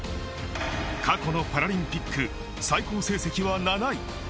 過去のパラリンピック、最高成績は７位。